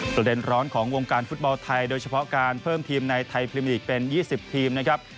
ประเด็นร้อนของวงการฟุตบอลไทยโดยเฉพาะการเพิ่มทีมในไทยพรีมลีกเป็น๒๐ทีมนะครับ